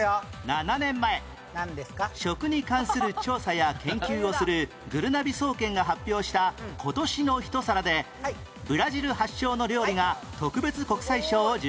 ７年前食に関する調査や研究をするぐるなび総研が発表した今年の一皿でブラジル発祥の料理が特別国際賞を受賞